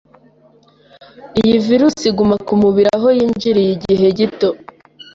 Iyi Virusi iguma ku mubiri aho yinjiriye igihe gito,